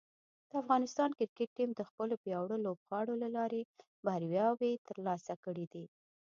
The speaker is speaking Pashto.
د افغان کرکټ ټیم د خپلو پیاوړو لوبغاړو له لارې بریاوې ترلاسه کړې دي.